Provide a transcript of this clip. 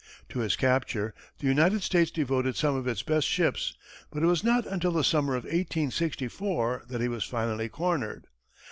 To his capture, the United States devoted some of its best ships, but it was not until the summer of 1864, that he was finally cornered.